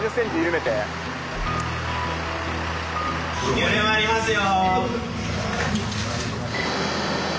緩まりますよ。